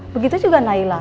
begitu juga naila